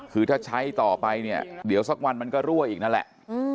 คือถ้าใช้ต่อไปเนี่ยเดี๋ยวสักวันมันก็รั่วอีกนั่นแหละ